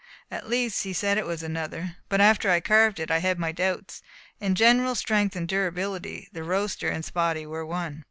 At least he said it was another, but after I had carved it I had my doubts. In general strength and durability the roaster and Spotty were one.